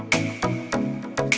sekaligus makan bareng